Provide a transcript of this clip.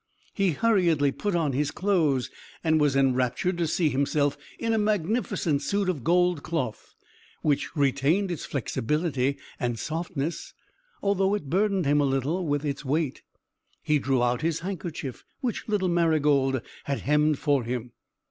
He hurriedly put on his clothes, and was enraptured to see himself in a magnificent suit of gold cloth, which retained its flexibility and softness, although it burdened him a little with its weight. He drew out his handkerchief, which little Marygold had hemmed for him.